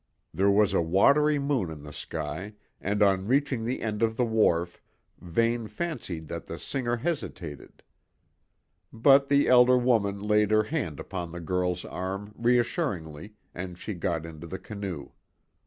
There was a watery moon in the sky, and on reaching the end of the wharf Vane fancied that the singer hesitated; but the elder woman laid her hand upon the girl's arm reassuringly and she got into the canoe.